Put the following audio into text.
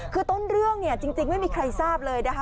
คือต้นเรื่องเนี่ยจริงไม่มีใครทราบเลยนะคะ